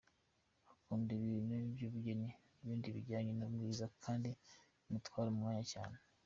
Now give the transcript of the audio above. Akunda ibintu by’ubugeni n’ibindi bijyanye n’ubwiza kandi bimutwara umwanya cyane.